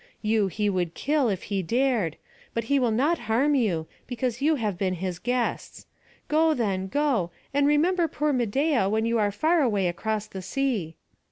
You he would kill if he dared; but he will not harm you, because you have been his guests. Go then, go, and remember poor Medeia when you are far away across the sea."